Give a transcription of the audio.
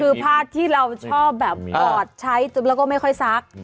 คือผ้าที่เราชอบแบบถอดใช้แล้วก็ไม่ค่อยซัก